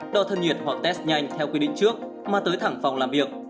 đo thân nhiệt hoặc test nhanh theo quy định trước mà tới thẳng phòng làm việc